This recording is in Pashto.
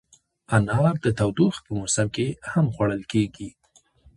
انار د تودوخې په موسم کې هم خوړل کېږي.